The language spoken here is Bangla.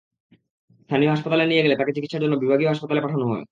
স্থানীয় হাসপাতালে নিয়ে গেলে তাঁকে চিকিৎসার জন্য বিভাগীয় হাসপাতালে পাঠানো হয়।